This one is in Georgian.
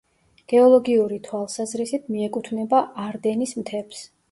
გეოლოგიური თვალსაზრისით მიეკუთვნება არდენის მთებს.